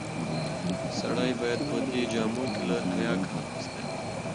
سړی باید په دې جامو کې له حیا کار اخیستی وای.